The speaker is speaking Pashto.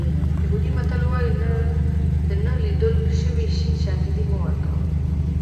یهودي متل وایي د نه لیدل شوي شي شاهدي مه ورکوه.